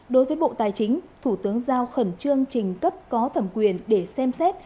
đối với bộ tài chính thủ tướng giao khẩn trương trình cấp có thẩm quyền để xem xét